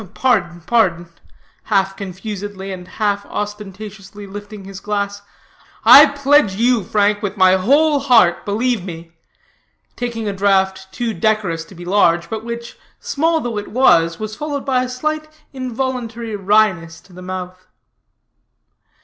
"Pardon, pardon," half confusedly and half ostentatiously lifting his glass. "I pledge you, Frank, with my whole heart, believe me," taking a draught too decorous to be large, but which, small though it was, was followed by a slight involuntary wryness to the mouth.